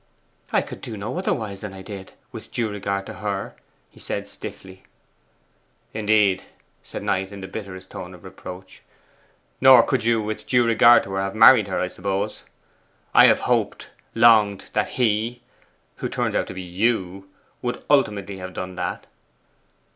'I could do no otherwise than I did, with due regard to her,' he said stiffly. 'Indeed!' said Knight, in the bitterest tone of reproach. 'Nor could you with due regard to her have married her, I suppose! I have hoped longed that HE, who turns out to be YOU, would ultimately have done that.